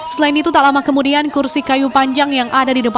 selain itu tak lama kemudian kursi kayu panjang yang ada di depan